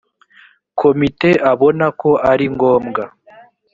komite abona ko ari ngombwa